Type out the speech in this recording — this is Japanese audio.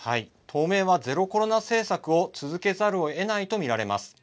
当面はゼロコロナ政策を続けざるをえないと見られます。